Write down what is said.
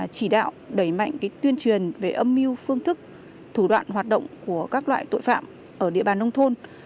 chỉ đạo đẩy mạnh tuyên truyền về âm mưu phương thức thủ đoạn hoạt động của các loại tội phạm ở địa bàn nông thôn